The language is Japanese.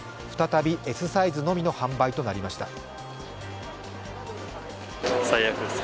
再びＳサイズのみの販売となりました。